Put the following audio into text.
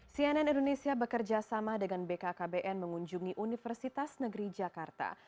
cnn indonesia bekerjasama dengan bkkbn mengunjungi universitas negeri jakarta